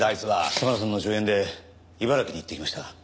沙村さんの助言で茨城に行ってきました。